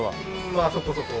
まあそこそこ。